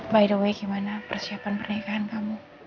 by the way gimana persiapan pernikahan kamu